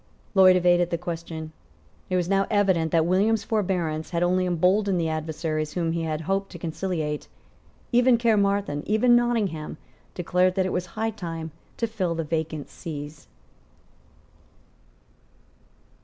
Lloyd evaded the question. It was now evident that William's forbearance had only emboldened the adversaries whom he had hoped to conciliate. Even Caermarthen, even Nottingham, declared that it was high time to fill the vacant sees.